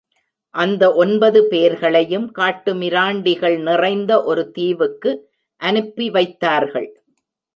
அந்த ஒன்பது பேர்களையும் காட்டுமிராண்டிகள் நிறைந்த ஒரு தீவுக்கு அனுப்பி வைத்தார்கள்.